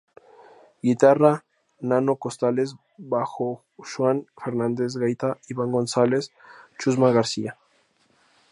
Guitarra: "Nano" Costales.Bajo: Xuan Fernández.Gaita: Iván González, Chusma García.